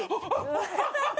アハハハ！